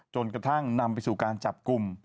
จนกระทั่งนำไปสู่การจับกลุ่ม